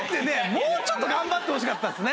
もうちょっと頑張ってほしかったですね。